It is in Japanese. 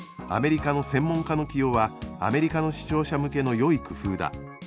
アメリカの専門家の起用はアメリカの視聴者向けのよい工夫だ」